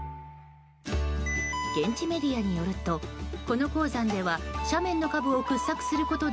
現地メディアによるとこの鉱山では斜面の下部を掘削することで